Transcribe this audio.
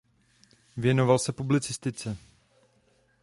Věnoval se publicistice.